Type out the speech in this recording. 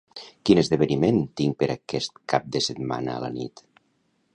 Quin esdeveniment tinc per aquest cap de setmana a la nit?